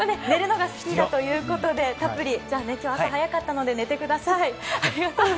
寝るのが好きだということでたっぷり、今日は朝早かったので寝てください。